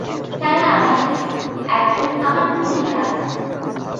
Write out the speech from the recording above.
তারা আমারই লোক, একজন আমার গুরুভ্রাতা।